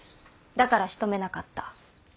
だから仕留めなかった。